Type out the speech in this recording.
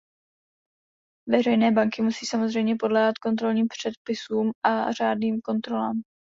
Veřejné banky musí samozřejmě podléhat kontrolním předpisům a řádným kontrolám.